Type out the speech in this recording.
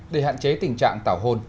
để hạn chế tình trạng tảo hôn